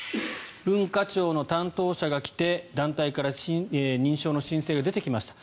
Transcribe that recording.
文化庁の担当者が来て団体から認証の申請が出てきました。